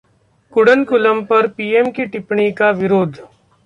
कुडनकुलम पर पीएम की टिप्पणी का विरोध